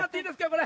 これ。